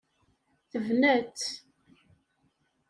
Tebna-tt.